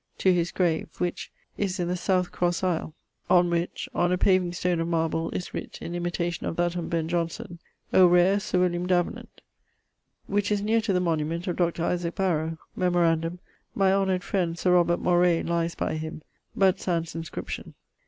to his[LV.] grave, which is in the south crosse aisle, on which, on a paving stone of marble, is writt, in imitation of that on Ben Johnson, 'O rare Sir Will. Davenant.' [LV.] Which is neer to the monument of Dr. Isaac Barrow. Memorandum: my honoured friend Sir Robert Moray lies by him; but sans inscription.